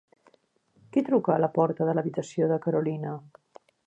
Qui truca a la porta de l'habitació de Carolina?